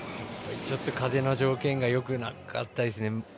ちょっと風の条件がよくなかったですね。